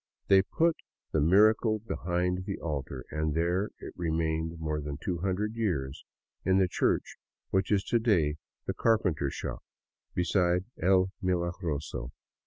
They put the miracle behind the altar, and there it remained more than two hundred years, in the church which is to day the carpenter shop beside El Milagroso.